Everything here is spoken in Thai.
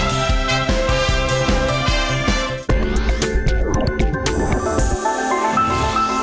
สวัสดีค่ะ